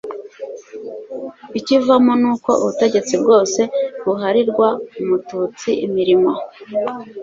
ikivamo n uko ubutegetsi bwose buharirwa umututsi imirimo